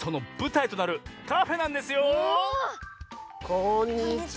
こんにちは！